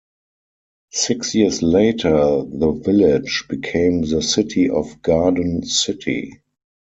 Six years later the village became the city of Garden City.